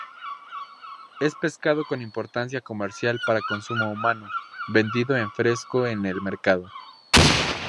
Es pescado con importancia comercial para consumo humano, vendido en fresco en el mercado.